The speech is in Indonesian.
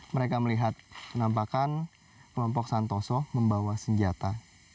mereka melihat penampakan kelompok santoso membawa senjata